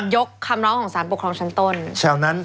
ยกคำร้องของสารปกครองชั้นต้น